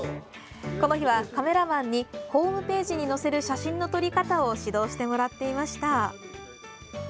この日は、カメラマンにホームページに載せる写真の撮り方を指導してもらっていました。